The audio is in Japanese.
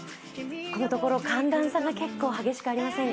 このところ寒暖差が結構、激しくありませんか？